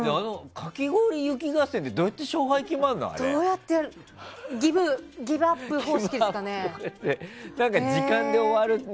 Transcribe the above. かき氷雪合戦ってどうやって勝敗、決まるの？